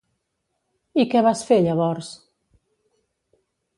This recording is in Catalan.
I què vas fer llavors?